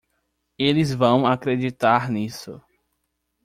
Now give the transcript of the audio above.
Eles vão acreditar nisso.